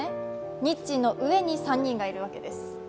日の上に３人がいるわけです。